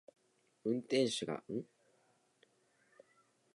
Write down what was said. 運手が目まぐるしく入れ替わる為に精度が非常に取りづらい。